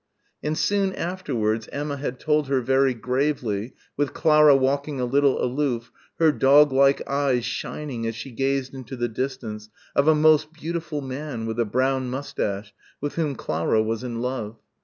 And soon afterwards Emma had told her very gravely, with Clara walking a little aloof, her dog like eyes shining as she gazed into the distance, of a "most beautiful man" with a brown moustache, with whom Clara was in love.